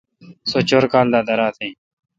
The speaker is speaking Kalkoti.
سو چور کال دا دیراتھ این۔